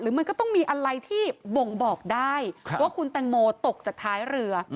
มันก็ต้องมีอะไรที่บ่งบอกได้ว่าคุณแตงโมตกจากท้ายเรือ